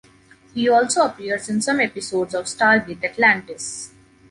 He also appears in some episodes of “Stargate Atlantis”.